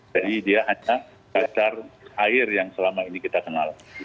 jadi dia hanya cacar air yang selama ini kita kenal